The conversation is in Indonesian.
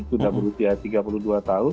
sudah berusia tiga puluh dua tahun